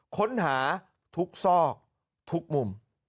ค้นหาทุกซอกทุกมุม